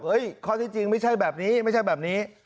ข้อที่จริงไม่ใช่แบบนี้ไม่ใช่แบบนี้